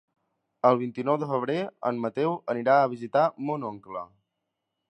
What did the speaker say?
El vint-i-nou de febrer en Mateu anirà a visitar mon oncle.